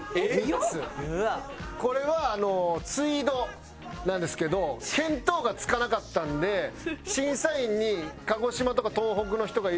これは「ツイード」なんですけど見当がつかなかったんで審査員に鹿児島とか東北の人がいるのにかけて。